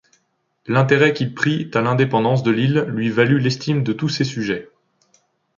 L'intérêt qu'il prit à l'indépendance de l'île lui valut l'estime de tous ses sujets.